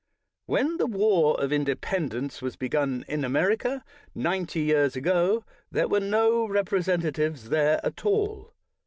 When the War of Inde pendence was begun in America, ninety years ago, there were no representatives there at all.